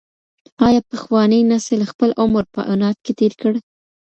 ایا پخواني نسل خپل عمر په عناد کي تېر کړ؟